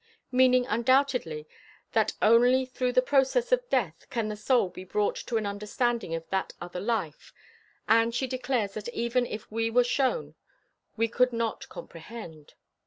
Meaning, undoubtedly, that only through the process of death can the soul be brought to an understanding of that other life; and she declares that even if we were shown, we could not comprehend.